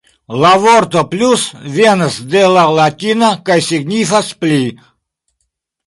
La vorto 'plus' venas de la latina kaj signifas 'pli'.